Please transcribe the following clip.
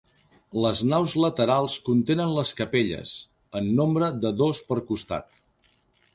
Les naus laterals contenen les capelles, en nombre de dos per costat.